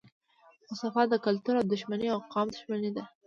خو صفا د کلتور دښمني او قام دښمني ده